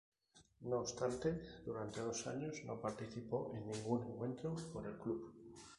No obstante, durante dos años no participó en ningún encuentro por el club.